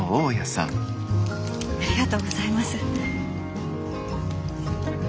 ありがとうございます。